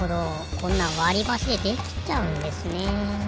こんなんわりばしでできちゃうんですね。